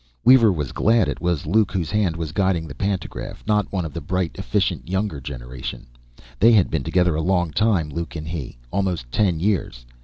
Weaver was glad it was Luke whose hand was guiding the pantograph, not one of the bright, efficient younger generation. They had been together a long time, Luke and He. Almost ten years.